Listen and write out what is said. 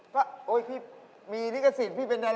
ก็โอ๊ยพี่มีลิกสินพี่เป็นไดรา